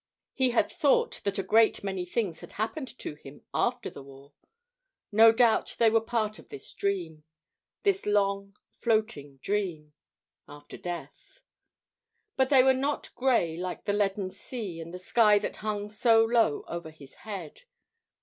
He had thought that a great many things had happened to him after the war. No doubt they were part of this dream this long, floating dream after death. But they were not grey like the leaden sea and the sky that hung so low over his head.